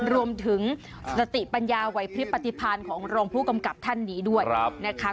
รวมถึงสติปัญญาไหวพลิบปฏิพันธ์ของรองผู้กำกับท่านนี้ด้วยนะคะ